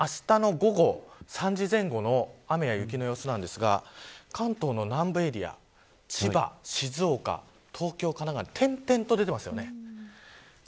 あしたの午後３時前後の雨や雪の予想なんですが関東の南部エリア、千葉、静岡東京、神奈川点々と出ていますよね。